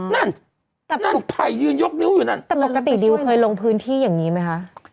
นั่นนั่นไผ่ยืนยกนิ้วอยู่นั่นแต่ปกติดิวเคยลงพื้นที่อย่างนี้ไหมคะ